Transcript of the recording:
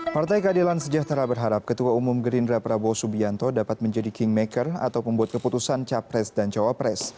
partai keadilan sejahtera berharap ketua umum gerindra prabowo subianto dapat menjadi kingmaker atau pembuat keputusan capres dan cawapres